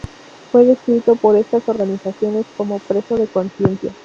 Fue descrito por estas organizaciones como preso de conciencia.